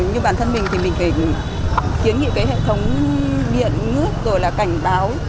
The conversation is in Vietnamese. như bản thân mình thì mình phải kiến nghị cái hệ thống điện nước rồi là cảnh báo